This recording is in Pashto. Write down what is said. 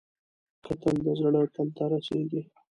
کتل د زړه تل ته رسېږي